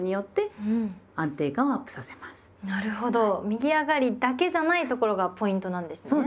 右上がりだけじゃないところがポイントなんですね。